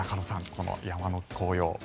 この山の紅葉。